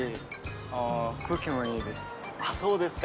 そうですか。